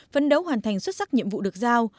phấn đấu hoàn thành xuất sắc nhiệm vụ được giao